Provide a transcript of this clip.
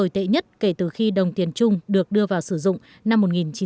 tệ nhất kể từ khi đồng tiền chung được đưa vào sử dụng năm một nghìn chín trăm chín mươi chín